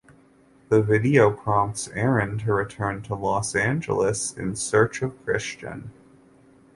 The video prompts Aaron to return to Los Angeles in search of Christian.